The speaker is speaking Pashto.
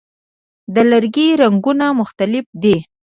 د لرګي رنګونه مختلف دي.